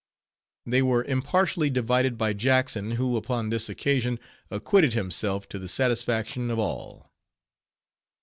They were impartially divided by Jackson, who, upon this occasion, acquitted himself to the satisfaction of all.